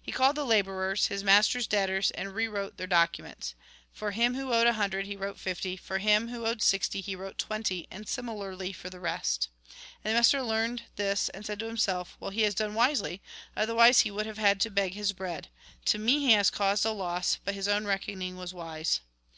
He called the labourers, his master's debtors, and re wrote their documents. For him who owed a Lk. xiv. 18. THE FALSE LIFE 83 Lk. x^T, R. 16. 16. 17. hundred he wrote fifty ; for him who owed sixty, he wrote twenty, and similarly for the rest. And the master learned this, and said to himself :' Well, he has done wisely ; otherwise he would have had to beg his bread. To me he has caused a loss, but his own reckoning was wise.'